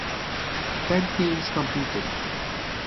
Ten teams competed.